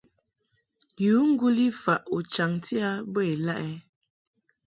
Yu ŋguli faʼ u chaŋti a bə ilaʼ ɛ ?